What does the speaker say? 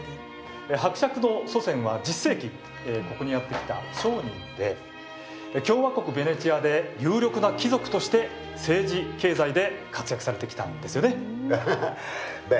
伯爵の祖先は１０世紀ここにやってきた商人で共和国ベネチアで有力な貴族として政治、経済で活躍されてきたんですよね。